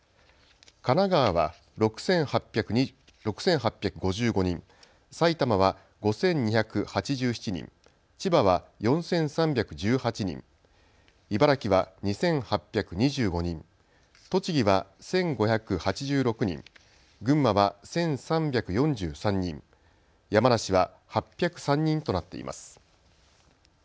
神奈川は６８５５人、埼玉は５２８７人、千葉は４３１８人、茨城は２８２５人、栃木は１５８６人、群馬は１３４３人、山梨は８０３人となっています。